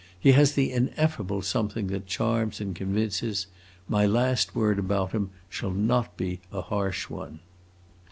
He has the ineffable something that charms and convinces; my last word about him shall not be a harsh one."